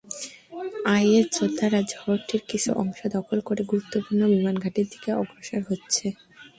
Is যোদ্ধারা শহরটির কিছু অংশ দখল করে গুরুত্বপূর্ণ বিমানঘাঁটির দিকে অগ্রসর হচ্ছে।